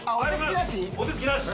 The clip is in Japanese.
お手つきなし？